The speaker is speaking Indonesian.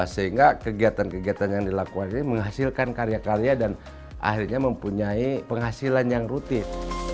sehingga kegiatan kegiatan yang dilakukan ini menghasilkan karya karya dan akhirnya mempunyai penghasilan yang rutin